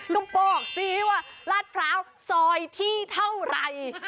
ก็บอกสิว่าลาดพร้าวซอยที่เท่าไร